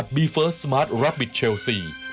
ที่ข้าวใส่ใครสดไหม